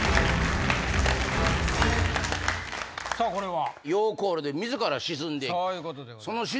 さぁこれは？